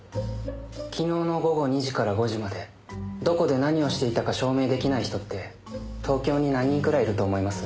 昨日の午後２時から５時までどこで何をしていたか証明出来ない人って東京に何人くらいいると思います？